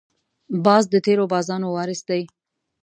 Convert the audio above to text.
باز د تېرو بازانو وارث دی